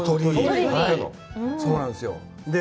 そうなんですよ。